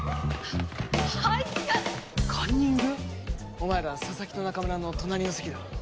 お前ら佐々木と中村の隣の席だろ？